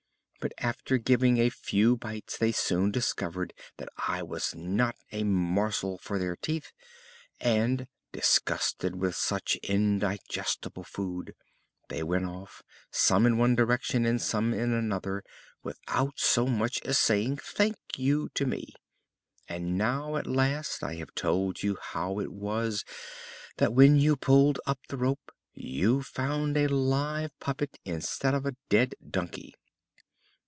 But after giving a few bites they soon discovered that I was not a morsel for their teeth, and, disgusted with such indigestible food, they went off, some in one direction and some in another, without so much as saying 'Thank you' to me. And now, at last, I have told you how it was that when you pulled up the rope you found a live puppet instead of a dead donkey."